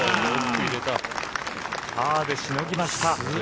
パーでしのぎました。